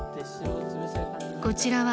こちらは